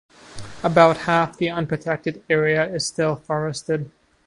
About half the unprotected area is still forested.